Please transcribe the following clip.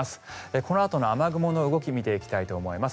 このあとの雨雲の動きを見ていきたいと思います。